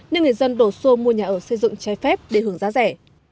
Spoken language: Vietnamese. nên người dân đổ xô mua nhà ở xây dựng trái phép để hưởng giá rẻ